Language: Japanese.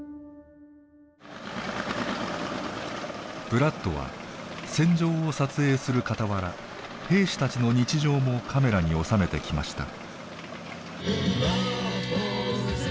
ブラッドは戦場を撮影するかたわら兵士たちの日常もカメラに収めてきました。